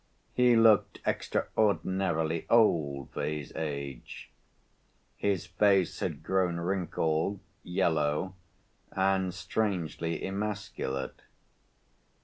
He looked extraordinarily old for his age. His face had grown wrinkled, yellow, and strangely emasculate.